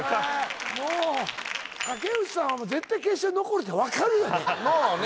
もう竹内さんは絶対決勝に残るって分かるよね